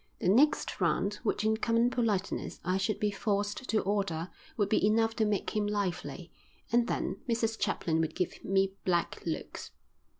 The next round which in common politeness I should be forced to order would be enough to make him lively, and then Mrs Chaplin would give me black looks.